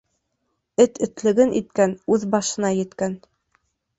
Эт этлеген иткән, үҙ башына еткән.